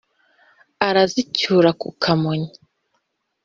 arazicyura ku kamonyi.